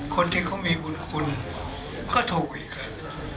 คนที่เขามีบุญคุณก็ถูกอีกครับ